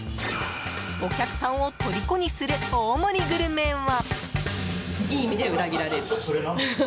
お客さんをとりこにする大盛りグルメは。